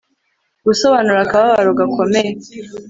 Gusobanura akababaro gakomeye